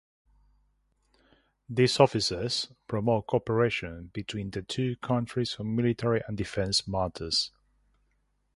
These offices promote cooperation between the two countries on military and defense matters.